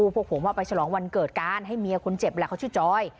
พวกผมว่าไปฉลองวันเกิดการให้เมียคนเจ็บแหละเขาชื่อจอย